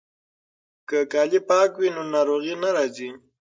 که کالي پاک وي نو ناروغي نه راځي.